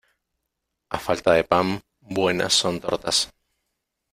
A falta de pan, buenas son tortas.